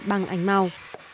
bằng ảnh màu